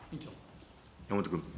山本君。